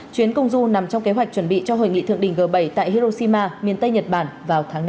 chuyến công du nằm trong kế hoạch chuẩn bị cho hội nghị thượng đỉnh g bảy tại heroshima miền tây nhật bản vào tháng năm